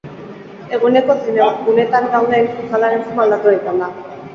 Eguneko zein unetan gauden, itzalaren forma aldatu egiten da.